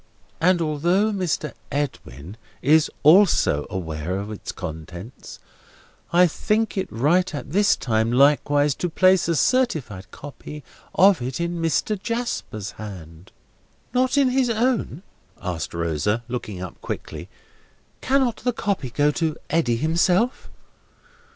And although Mr. Edwin is also aware of its contents, I think it right at this time likewise to place a certified copy of it in Mr. Jasper's hand—" "Not in his own!" asked Rosa, looking up quickly. "Cannot the copy go to Eddy himself?"